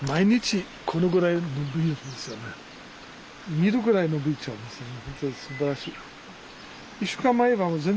見るからに伸びちゃうんですよね。